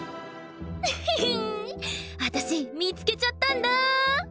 ふふん私見つけちゃったんだ。